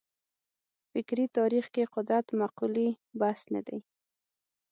فکري تاریخ کې قدرت مقولې بحث نه دی.